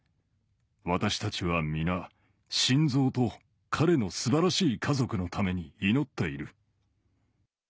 私たちは皆、シンゾーと彼のすばらしい家族のために祈っている。